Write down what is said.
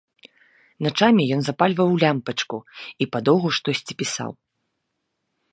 Начамі ён запальваў лямпачку і падоўгу штосьці пісаў.